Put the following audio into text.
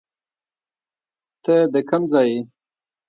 ته د کم ځای یې